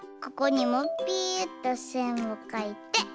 ここにもピュっとせんをかいて。